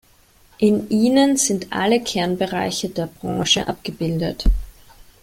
In ihnen sind alle Kernbereiche der Branche abgebildet.